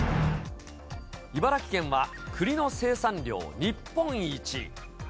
茨城県は、くりの生産量日本一。